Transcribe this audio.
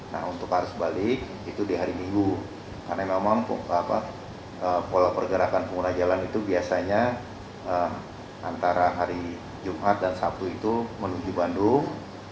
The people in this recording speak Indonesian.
nah untuk arus balik itu di hari minggu karena memang pola pergerakan pengguna jalan itu biasanya antara hari jumat dan sabtu itu menuju bandung